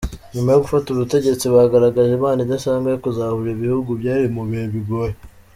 Nyuma yo gufata ubutegetsi bagaragaje impano idasanzwe yo kuzahura ibihugu byari mu bihe bigoye.